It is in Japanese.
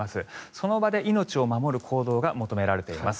その場で命を守る行動が求められています。